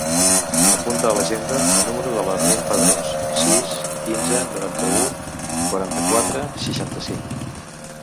Apunta a l'agenda el número de la Rim Padros: sis, quinze, noranta-u, quaranta-quatre, seixanta-cinc.